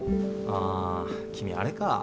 あ君あれか。